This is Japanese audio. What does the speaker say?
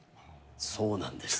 そうなんです。